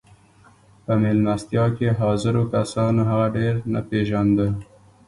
په مېلمستیا کې حاضرو کسانو هغه ډېر نه پېژانده